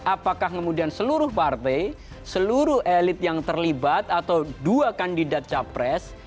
apakah kemudian seluruh partai seluruh elit yang terlibat atau dua kandidat capres